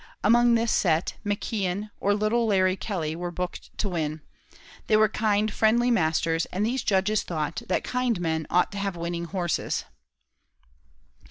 Among this set, McKeon or little Larry Kelly were booked to win; they were kind, friendly masters, and these judges thought that kind men ought to have winning horses.